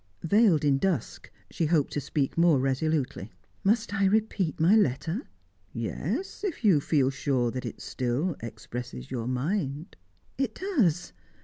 Veiled in dusk, she hoped to speak more resolutely. "Must I repeat my letter?" "Yes, if you feel sure that it still expresses your mind." "It does.